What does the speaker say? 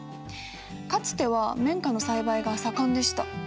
かつては綿花の栽培が盛んでした。